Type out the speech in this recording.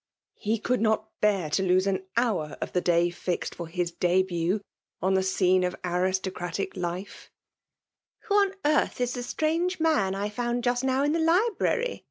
He could not bear to lose aa. hefir of |he day fixed for his dAut on the scentf 4S fgrjsttKsratic hfe. Who on earth is the strange man I found Just now in the library